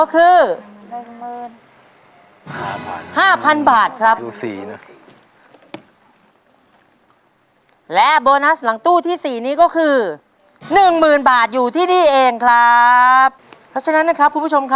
แกะปูครับ